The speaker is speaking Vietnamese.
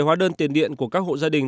hóa đơn tiền điện của các hộ gia đình